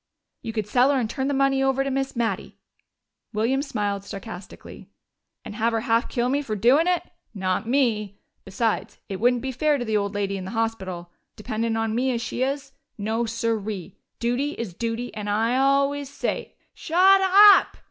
"You could sell her and turn the money over to Miss Mattie." William smiled sarcastically. "And have her half kill me for doin' it? Not me! Besides, it wouldn't be fair to the poor old lady in the hospital. Dependin' on me as she is. No, siree! Duty is duty, and I always say " "Shut up!"